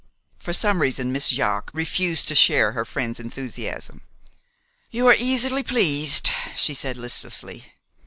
For some reason, Miss Jaques refused to share her friend's enthusiasm. "You are easily pleased," she said listlessly.